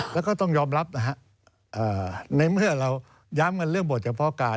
แล้วก็ต้องยอมรับนะฮะในเมื่อเราย้ำกันเรื่องบทเฉพาะการ